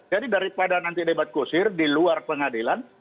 jadi daripada nanti debat kusir di luar pengadilan